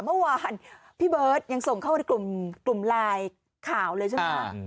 เมื่อวานพี่เบิร์ตยังส่งเข้ามาในกลุ่มไลน์ข่าวเลยใช่ไหมคะ